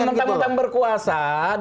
jangan kita berkuasa